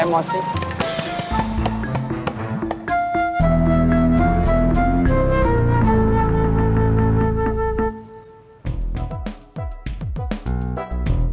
jangan lupa subscribe channel ini